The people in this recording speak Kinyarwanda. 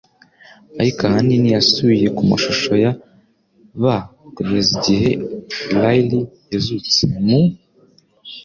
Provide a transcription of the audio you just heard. Ariko ahanini yasubiye ku mashusho ya B kugeza igihe Riley yazutse mu